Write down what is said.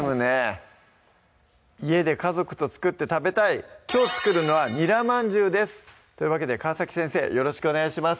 家で家族と作って食べたいきょう作るのは「ニラまんじゅう」ですというわけで川先生よろしくお願いします